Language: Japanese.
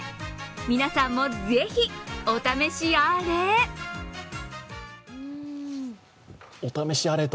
皆さんもぜひお試しあれ。